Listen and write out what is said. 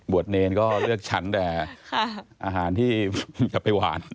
เนรก็เลือกฉันแต่อาหารที่จะไปหวาน